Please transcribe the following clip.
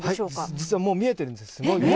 実はもう見えてるんです。